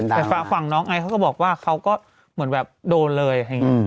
แต่ฝั่งน้องไอเขาก็บอกว่าเขาก็เหมือนแบบโดนเลย